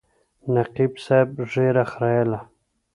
نقیب صاحب ږیره خریله.